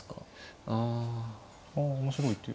あ面白い手。